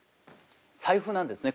財布なんですね。